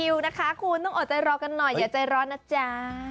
เพียบพฤหนน่ะคะคุณต้องอดใจรอกันหน่อยหยายใจร้อนนะจ้า